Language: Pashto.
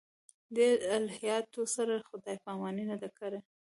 دې الهیاتو سره خدای پاماني نه ده کړې.